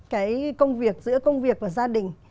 cái công việc giữa công việc và gia đình